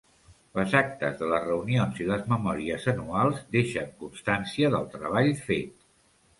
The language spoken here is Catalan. Les actes de les reunions i les memòries anuals deixen constància del treball fet.